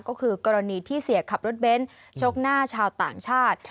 ก็คือกรณีที่เสียขับรถเบ้นชกหน้าชาวต่างชาติ